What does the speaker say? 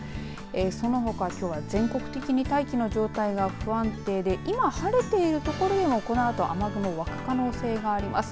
そのほか、きょうは全国的に大気の状態が不安定で今晴れているところでもこのあと雨雲がわく可能性があります。